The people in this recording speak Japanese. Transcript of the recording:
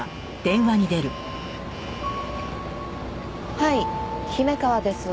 はい姫川です。